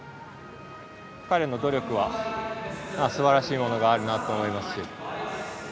彼の努力はすばらしいものがあるなと思いますし。